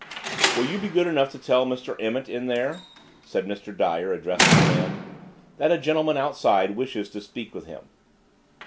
"Will you be good enough to tell Mr. Emmett in there," said Mr. Dyer, addressing the man, "that a gentleman outside wishes to speak with him."